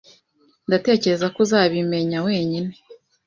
Natekereje ko uzabimenya wenyine.